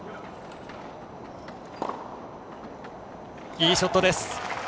いいショットです。